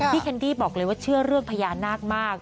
แคนดี้บอกเลยว่าเชื่อเรื่องพญานาคมาก